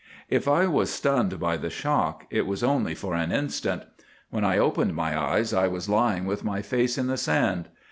"'If I was stunned by the shock, it was only for an instant. When I opened my eyes I was lying with my face in the sand.